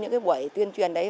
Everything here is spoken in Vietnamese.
những buổi tuyên truyền đấy